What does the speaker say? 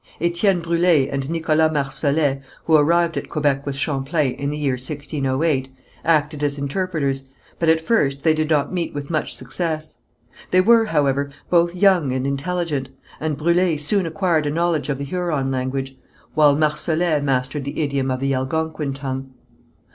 Étienne Brûlé and Nicholas Marsolet, who arrived at Quebec with Champlain in the year 1608, acted as interpreters, but at first they did not meet with much success. They were, however, both young and intelligent, and Brûlé soon acquired a knowledge of the Huron language, while Marsolet mastered the idiom of the Algonquin tongue.